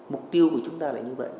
mục tiêu của chúng ta là như vậy